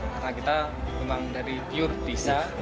karena kita memang dari pure desa